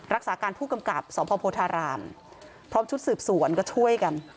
รักษาการผู้กำกับสพโพธารามพร้อมชุดสืบสวนก็ช่วยกัน